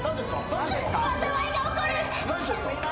何ですか？